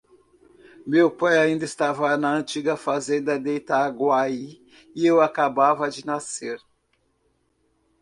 meu pai ainda estava na antiga fazenda de Itaguaí, e eu acabava de nascer.